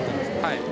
はい。